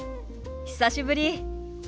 久しぶり。